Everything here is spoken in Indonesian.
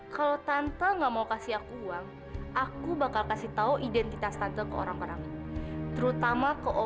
kalau tante nggak mau kasih aku uang aku bakal kasih tau identitas tante orang sekarang ini terutama